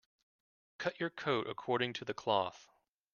Cut your coat according to the cloth.